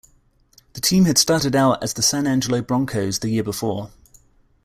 The team had started out as the San Angelo Bronchos the year before.